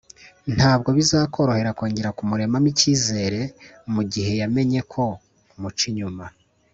ntabwo bizakorohera kongera kumuremamo icyizere mu gihe yamenye ko umuca inyuma